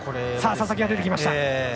佐々木が出てきました。